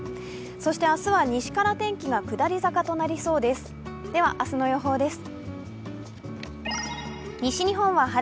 そして明日は西から天気が下り坂となりそうです。